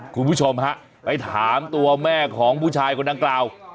คุณผู้ชมฮะไปถามตัวแม่ของผู้ชายคนดังกล่าว